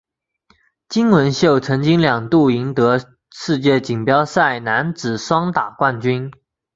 金文秀曾经两度赢得世界锦标赛男子双打冠军。